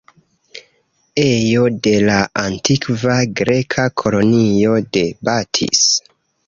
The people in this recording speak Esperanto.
Ejo de la antikva Greka kolonio de Batis.